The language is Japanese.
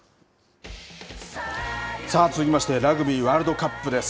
さあ、続きましてラグビーワールドカップです。